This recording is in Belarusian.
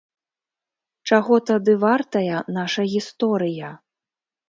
Чаго тады вартая наша гісторыя?